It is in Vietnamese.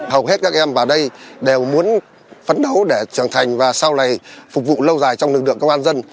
hầu hết các em vào đây đều muốn phấn đấu để trưởng thành và sau này phục vụ lâu dài trong lực lượng công an dân